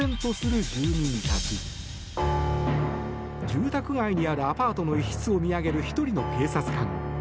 住宅街にあるアパートの一室を見上げる、１人の警察官。